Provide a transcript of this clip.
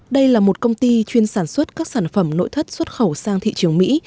đây là một công ty chuyên sản xuất các sản phẩm nội thất xuất khẩu sang thị trường mỹ